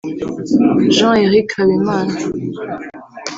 Jean Eric Habimana